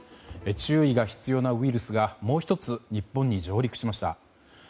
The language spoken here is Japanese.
注意が必要なウイルスがもう１つ日本に上陸しました。